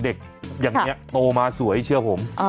เด็กอย่างนี้โตมาสวยเชื่อผม